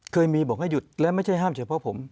เคยมีบอกให้หยุดและไม่ใช่ห้ามเฉพาะผม